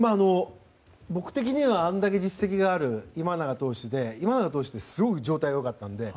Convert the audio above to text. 僕的にはあれだけ実績がある今永投手で今永投手ってすごく状態が良かったんです。